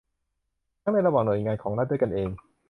ทั้งในระหว่างหน่วยงานของรัฐด้วยกันเอง